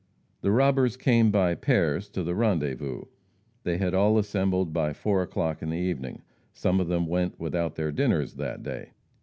The robbers came by pairs to the rendezvous. They had all assembled by 4 o'clock in the evening. Some of them went without their dinners that day.